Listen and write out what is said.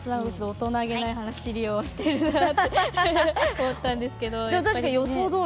大人げない走りをしてるなと思ったんですけど。